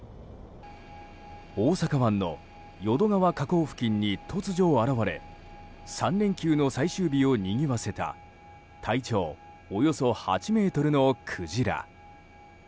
大阪湾の淀川河口付近に突如、現れ３連休の最終日をにぎわせた体長およそ８ｍのクジラ。